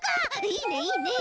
いいねいいね。